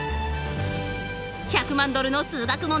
１００万ドルの数学問題